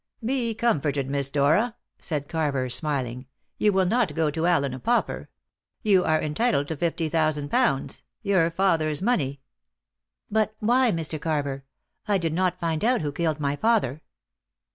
"Be comforted, Miss Dora," said Carver, smiling. "You will not go to Allen a pauper. You are entitled to fifty thousand pounds your father's money." "But why, Mr. Carver? I did not find out who killed my father."